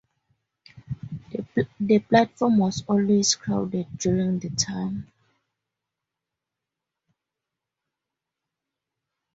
The platform was always crowded during the time.